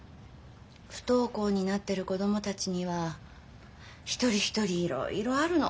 不登校になってる子供たちには一人一人いろいろあるの。